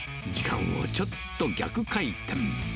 時間をちょっと逆回転。